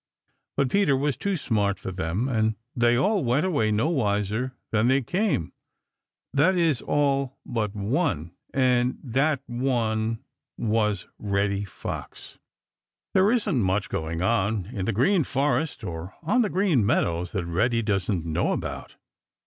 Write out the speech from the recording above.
But Peter was too smart for them, and they all went away no wiser than they came, that is, all but one, and that one was Reddy Fox. There isn't much going on in the Green Forest or on the Green Meadows that Reddy doesn't know about.